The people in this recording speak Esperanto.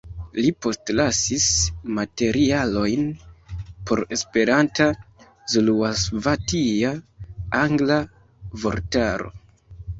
Li postlasis materialojn por Esperanta-zuluasvatia-angla vortaro.